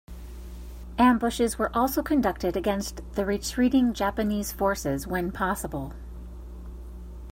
Ambushes were also conducted against the retreating Japanese forces when possible.